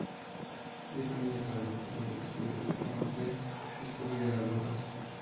Define la brujería y describe las formas de descubrir a las brujas.